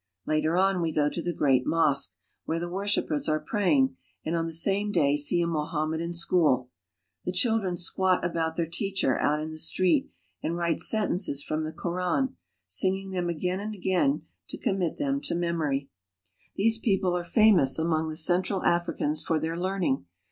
Later on we go to the great mosque, where the wor shipers are praying, and on the same day see a Moham. medan school. The children squat about their teacher out in the street and write sentences from the Koran, singing them again and again to commit them to memory. 1 90 AFRICA These people are famous among the central Africans for their learning.